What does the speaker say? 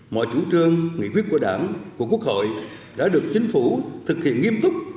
mọi chủ trương nghị quyết của đảng của quốc hội đã được chính phủ thực hiện nghiêm túc